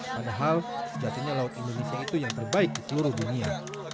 padahal sejatinya laut indonesia itu yang terbaik di seluruh dunia